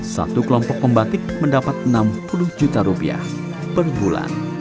satu kelompok pembatik mendapat enam puluh juta rupiah per bulan